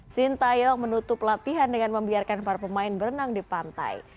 sintayong menutup latihan dengan membiarkan para pemain berenang di pantai